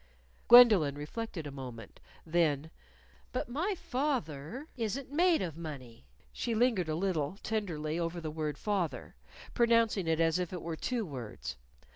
Gwendolyn reflected a moment. Then, "But my fath er isn't made of money," she lingered a little, tenderly, over the word father, pronouncing it as if it were two words.